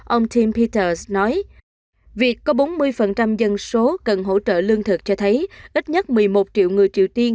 ông times piters nói việc có bốn mươi dân số cần hỗ trợ lương thực cho thấy ít nhất một mươi một triệu người triều tiên